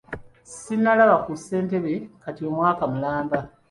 Sinnalaba ku ssentebe kati omwaka mulamba.